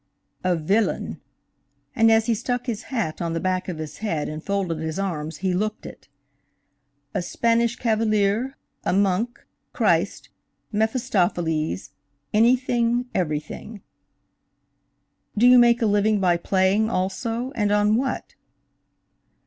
"A villain," and as he stuck his hat on the back of his head and folded his arms he looked it. "A Spanish cavalier, a monk, Christ, Mephistopheles–anything, everything." "Do you make a living by playing, also, and on what?"